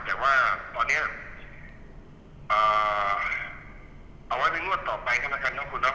แต่ว่าตอนเนี้ยเอ่อเอาไว้นึงงวดต่อไปขนาดการณ์ของคุณนะครับ